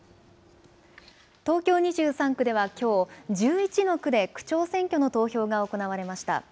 東京２３区ではきょう１１の区で区長選挙の投票が行われました。